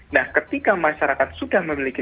nah ketika masyarakat sudah memiliki